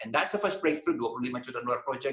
dan itu adalah langkah pertama dua puluh lima juta dolar proyek